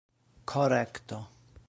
korekto